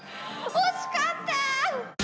惜しかった！